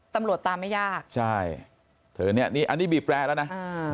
ตำลวดตามไม่ยากใช่เธอนี่อันนี้บีบแปลแล้วนะอืม